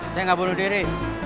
saya gak bunuh diri